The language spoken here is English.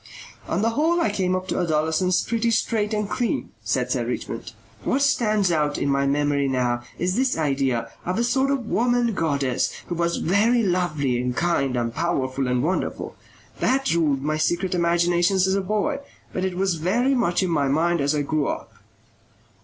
"On the whole I came up to adolescence pretty straight and clean," said Sir Richmond. "What stands out in my memory now is this idea, of a sort of woman goddess who was very lovely and kind and powerful and wonderful. That ruled my secret imaginations as a boy, but it was very much in my mind as I grew up."